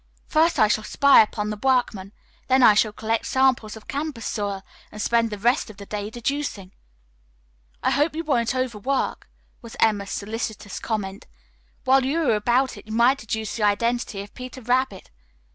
"First, I shall spy upon the workmen, then I shall collect samples of campus soil and spend the rest of the day deducing." "I hope you won't overwork," was Emma's solicitous comment. "While you are about it you might deduce the identity of 'Peter Rabbit.'